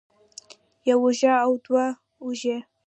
يوه اوږه او دوه اوږې